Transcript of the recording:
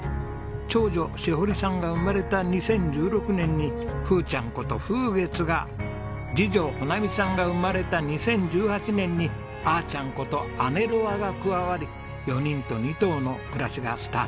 長女汐帆里さんが生まれた２０１６年にふーちゃんこと風月が次女帆菜海さんが生まれた２０１８年にあーちゃんことアネロワが加わり４人と２頭の暮らしがスタート。